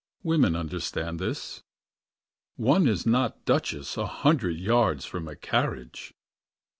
Women understand this. One is not duchess A hundred yards from a carriage.